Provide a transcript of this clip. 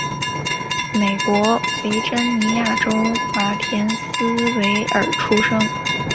美国维珍尼亚州马田斯维尔出生。